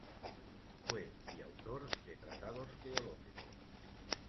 Fue y autor de tratados teológicos.